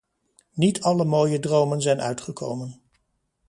Niet alle mooie dromen zijn uitgekomen.